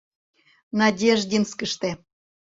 — Надеждинскыште...